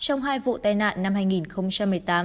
trong hai vụ tai nạn năm hai nghìn một mươi tám